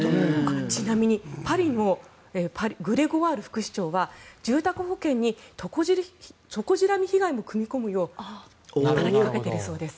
ちなみにパリのグレゴワール副市長は住宅保険にトコジラミ被害も組み込むよう働きかけているそうです。